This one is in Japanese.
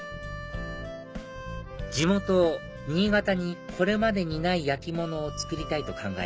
地元新潟にこれまでにない焼き物を作りたいと考え